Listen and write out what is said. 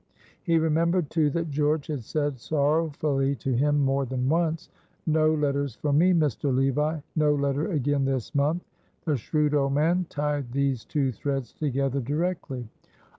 He remembered, too, that George had said sorrowfully to him more than once: "No letters for me, Mr. Levi, no letter again this month!" The shrewd old man tied these two threads together directly.